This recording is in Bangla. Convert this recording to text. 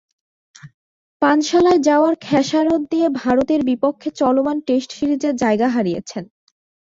পানশালায় যাওয়ার খেসারত দিয়ে ভারতের বিপক্ষে চলমান টেস্ট সিরিজে জায়গা হারিয়েছেন।